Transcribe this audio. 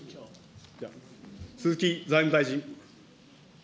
鈴木財務大臣。